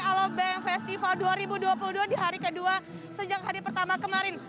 alobank festival dua ribu dua puluh dua di hari kedua sejak hari pertama kemarin